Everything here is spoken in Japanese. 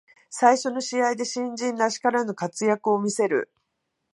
最初の試合で新人らしからぬ活躍を見せる